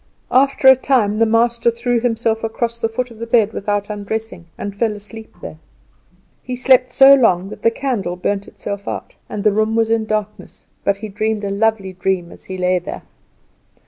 After a time the master threw himself across the foot of the bed without undressing, and fell asleep there. He slept so long that the candle burnt itself out, and the room was in darkness. But he dreamed a lovely dream as he lay there.